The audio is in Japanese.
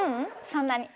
そんなに。